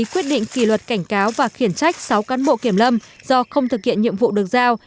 quyết định kỷ luật cảnh cáo và khiển trách sáu cán bộ kiểm lâm do không thực hiện nhiệm vụ được giao